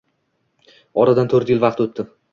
Oradan toʻrt yil vaqt oʻtdi.